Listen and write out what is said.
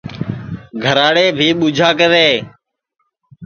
گھراڑے بھی ٻوجھا کرے